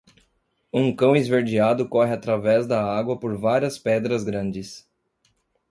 Um cão esverdeado corre através da água por várias pedras grandes.